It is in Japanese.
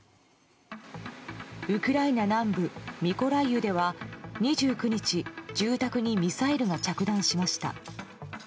ウクライナ南部ミコライウでは２９日住宅にミサイルが着弾しました。